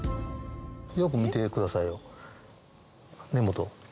よく見てくださいよ根元。